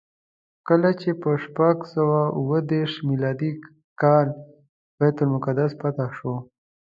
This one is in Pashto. کله چې په شپږ سوه اوه دېرش میلادي کال بیت المقدس فتحه شو.